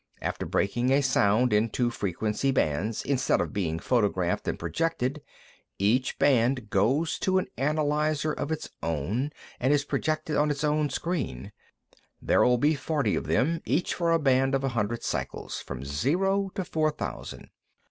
After breaking a sound into frequency bands instead of being photographed and projected, each band goes to an analyzer of its own, and is projected on its own screen. There'll be forty of them, each for a band of a hundred cycles, from zero to four thousand.